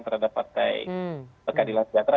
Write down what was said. terhadap partai pekadilan sejahtera